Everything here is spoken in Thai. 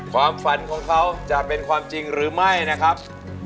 ความฝันของเขาจะเป็นความจริงหรือไม่นะครับ